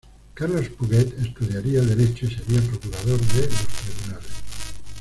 Carlos Puget estudiaría Derecho y sería procurador de los tribunales.